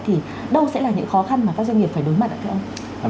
thì đâu sẽ là những khó khăn mà các doanh nghiệp phải đối mặt ạ thưa ông